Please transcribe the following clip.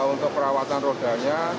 untuk perawatan rodanya